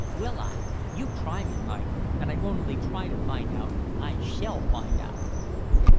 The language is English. "Will I? You try me, Mike. And I won't only try to find out I shall find out."